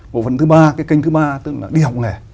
bộ phận thứ ba cái kênh thứ ba tức là đi học nghề